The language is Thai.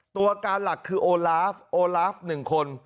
ตัวการหลักคือโอลาฟโอลาฟ๑คน